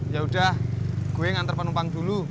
yaudah gue ngantar penumpang dulu